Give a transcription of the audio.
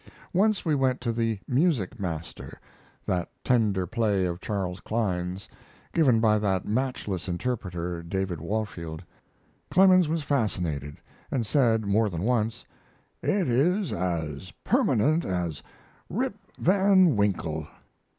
Once we went to the "Music Master," that tender play of Charles Klein's, given by that matchless interpreter, David Warfield. Clemens was fascinated, and said more than once: "It is as permanent as 'Rip Van Winkle.'